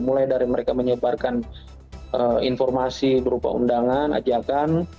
mulai dari mereka menyebarkan informasi berupa undangan ajakan